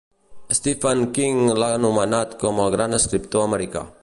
Stephen King l'ha anomenat com el gran escriptor americà.